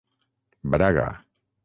Braga.